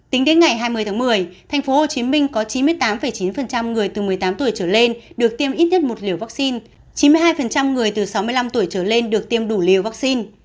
tính đến ngày hai mươi tháng một mươi tp hcm có chín mươi tám chín người từ một mươi tám tuổi trở lên được tiêm ít nhất một liều vaccine chín mươi hai người từ sáu mươi năm tuổi trở lên được tiêm đủ liều vaccine